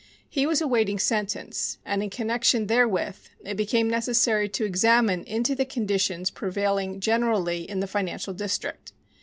He was awaiting sentence, and in connection therewith it became necessary to examine into the conditions prevailing generally in the financial district.